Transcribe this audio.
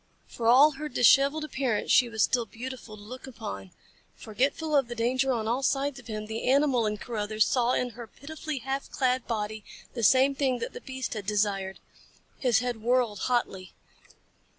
For all her disheveled appearance she was still beautiful to look upon. Forgetful of the danger on all sides of him, the animal in Carruthers saw in her pitifully half clad body the same thing that the beast had desired. His head whirled hotly.